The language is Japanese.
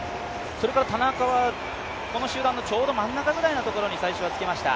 田中はこの集団のちょうど真ん中ぐらいのところに最初はつけました。